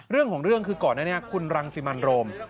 เรื่องของเรื่องคือก่อนอันนี้คุณรังสิมันโรม